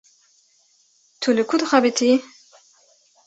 Tu li ku dixebitî?